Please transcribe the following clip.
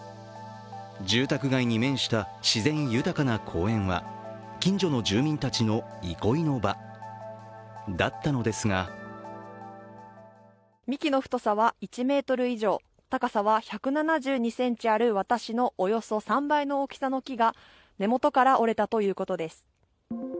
住宅街に面した自然豊かな公園は近所の住民たちの憩いの場だったのですが幹の太さは１ｍ以上、高さは１７２ｃｍある私のおよそ３倍の大きさの木が根元から折れたということです。